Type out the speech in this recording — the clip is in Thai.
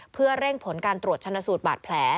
เพื่อเร่งผลการตรวจชนะสูตรบาดแผล